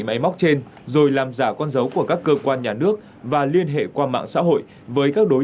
máy móc trên rồi làm giả con dấu của các cơ quan nhà nước và liên hệ qua mạng xã hội với các đối